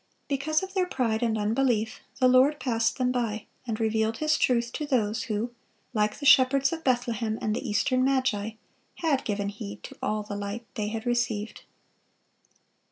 (516) Because of their pride and unbelief, the Lord passed them by, and revealed His truth to those who, like the shepherds of Bethlehem and the Eastern magi, had given heed to all the light they had received.